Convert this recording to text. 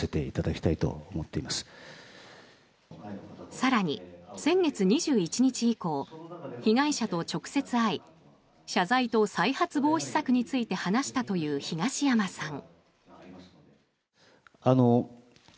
更に、先月２１日以降被害者と直接会い謝罪と再発防止策について話したという東山さん。